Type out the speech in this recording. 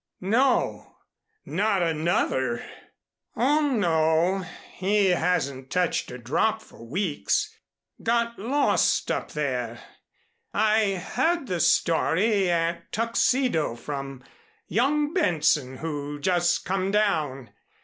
"No not another " "Oh, no, he hasn't touched a drop for weeks. Got lost up there. I heard the story at Tuxedo from young Benson who just come down.